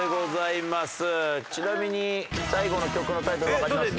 ちなみに最後の曲のタイトルわかります？